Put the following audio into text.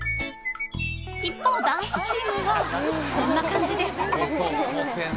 ［一方男子チームはこんな感じです］